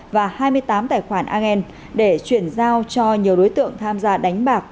và hai mươi tám tài khoản iren để chuyển giao cho nhiều đối tượng tham gia đánh bạc